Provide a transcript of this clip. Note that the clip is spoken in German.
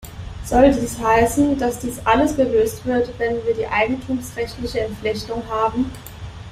Soll das heißen, dass dies alles gelöst wird, wenn wir die eigentumsrechtliche Entflechtung haben?